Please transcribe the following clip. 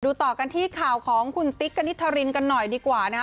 ต่อกันที่ข่าวของคุณติ๊กกณิตธรินกันหน่อยดีกว่านะฮะ